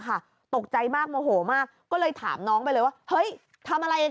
ตกใจมากโมโหมากก็เลยถามน้องไปเลยว่าเฮ้ยทำอะไร